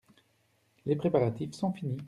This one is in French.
Les préparatifs sont finis.